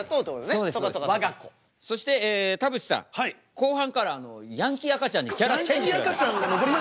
後半からヤンキー赤ちゃんにキャラチェンジしてください。